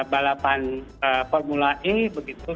balapan formula e begitu